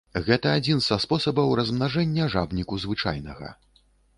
Гэта адзін са спосабаў размнажэння жабніку звычайнага.